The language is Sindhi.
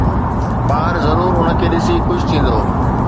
ٻار ضرور ان کي ڏسي خوش ٿيندو